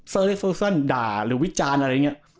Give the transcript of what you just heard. เซอร์เลสเซอร์ซั่นด่าหรือวิจารณ์อะไรอย่างเงี้ย